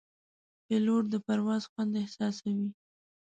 پیلوټ د پرواز خوند احساسوي.